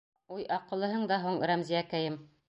Уй, аҡыллыһың да һуң, Рәмзиәкәйем!